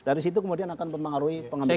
dari situ kemudian akan mempengaruhi pengambilan